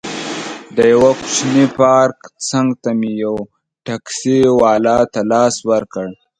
د یوه کوچني پارک څنګ ته مې یو ټکسي والا ته لاس ورکړ.